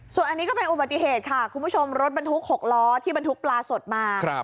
ส่วนอันนี้ก็เป็นอุบัติเหตุค่ะคุณผู้ชมรถบรรทุก๖ล้อที่บรรทุกปลาสดมา